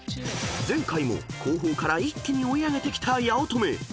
［前回も後方から一気に追い上げてきた八乙女］